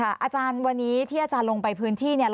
อาจารย์วันนี้ที่อาจารย์ลงไปพื้นที่